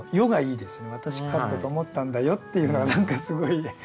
「わたし勝ったと思ったんだよ」っていうのが何かすごい。